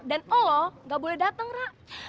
dan allah gak boleh dateng ra